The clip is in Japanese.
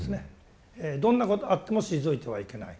どんなことあっても退いてはいけない。